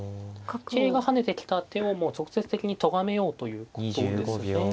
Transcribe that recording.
桂が跳ねてきた手をもう直接的にとがめようということですね。